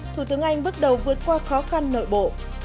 thủ tướng anh bước đầu vượt qua khó khăn nội bộ